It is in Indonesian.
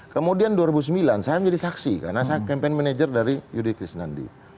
kemudian dua ribu sembilan saya menjadi saksi karena saya campaign manager dari yudi krisnandi